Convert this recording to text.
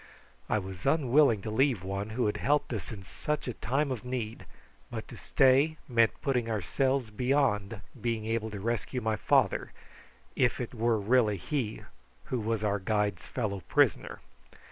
I was unwilling to leave one who had helped us in such a time of need; but to stay meant putting ourselves beyond being able to rescue my father, if it were really he who was our guide's fellow prisoner.